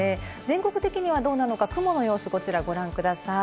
全国的にはどうなのか、雲の様子こちらご覧ください。